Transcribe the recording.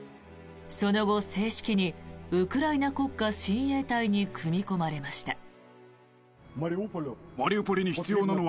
その後、正式にウクライナ国家親衛隊に組み込まれました。